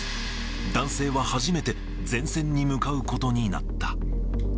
男性は初めて、前線に向かうことになった。